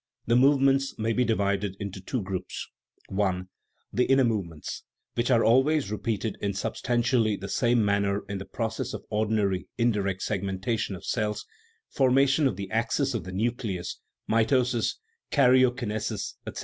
The movements may be divided into two groups : (1) the inner movements, which are always repeated in substantially the same manner in the process of or dinary (indirect) segmentation of cells (formation of the axis of the nucleus, mitosis, karyokinesis, etc.)